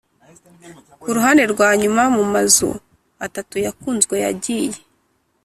kuruhande-rwanyuma, mumazu atatu yakunzwe yagiye.